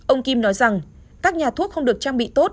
ông kim nói rằng các nhà thuốc không được trang bị tốt